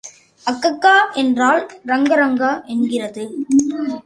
அக்கக்கா என்றால் ரங்க ரங்கா என்கிறது.